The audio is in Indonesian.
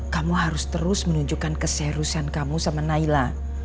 kamu harus terus menunjukkan keserusan kamu sama naila